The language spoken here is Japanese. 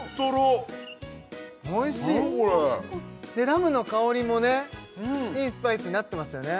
ラムの香りもねいいスパイスになってますよね